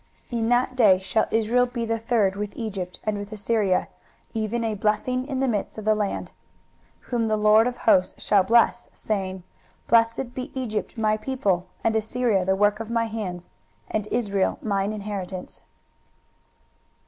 23:019:024 In that day shall Israel be the third with Egypt and with Assyria, even a blessing in the midst of the land: 23:019:025 Whom the LORD of hosts shall bless, saying, Blessed be Egypt my people, and Assyria the work of my hands, and Israel mine inheritance.